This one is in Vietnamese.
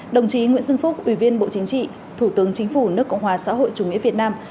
đồng chí nguyễn xuân phúc ủy viên bộ chính trị thủ tướng chính phủ nước cộng hòa xã hội chủ nghĩa việt nam